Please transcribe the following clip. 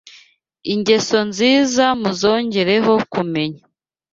ingeso nziza muzongereho kumenya